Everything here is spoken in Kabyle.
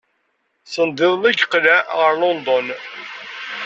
Sendiḍelli i yeqleɛ ɣer London.